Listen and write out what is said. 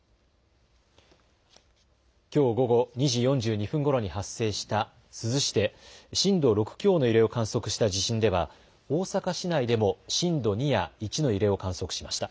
きょう午後２時４２分ごろに発生した珠洲市で震度６強の揺れを観測した地震では大阪市内でも震度２や１の揺れを観測しました。